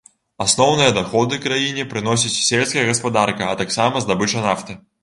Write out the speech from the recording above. Асноўныя даходы краіне прыносіць сельская гаспадарка, а таксама здабыча нафты.